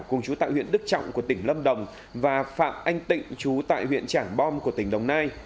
cùng chú tại huyện đức trọng của tỉnh lâm đồng và phạm anh tịnh chú tại huyện trảng bom của tỉnh đồng nai